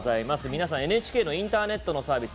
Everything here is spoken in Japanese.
皆さん、ＮＨＫのインターネットのサービス